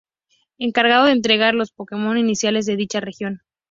Encargado de Entregar los Pokemon iniciales de dicha Región.